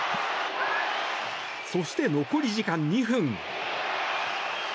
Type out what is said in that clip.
そして残り時間２分。